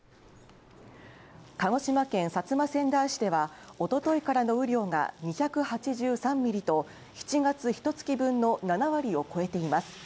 鹿児島県薩摩川内市ではおとといからの雨量が２８３ミリと７月ひと月分の７割を超えています。